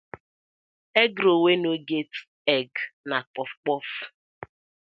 Egg roll wey no get egg na puff puff.